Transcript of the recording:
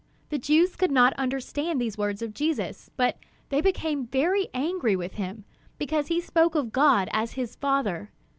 The Jews could not understand these words of Jesus; but they became very angry with him, because he spoke of God as his Father.